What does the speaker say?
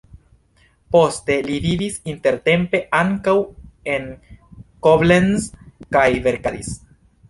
Poste li vivis intertempe ankaŭ en Koblenz kaj verkadis.